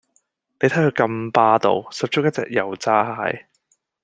你睇佢咁霸道，十足一隻油炸蟹